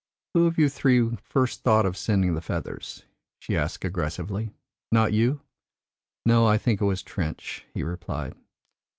"Who of you three first thought of sending the feathers?" she asked aggressively. "Not you?" "No; I think it was Trench," he replied.